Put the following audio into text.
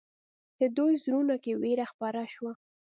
د دوی زړونو کې وېره خپره شوه.